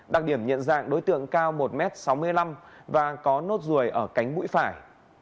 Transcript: đặc điểm nhận dạng đối tượng cao một m sáu mươi năm và có nốt ruồi ở cánh mũi phải